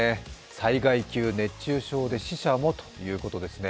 災害級、熱中症で死者もということですね。